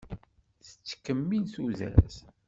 Tettkemmil tudert.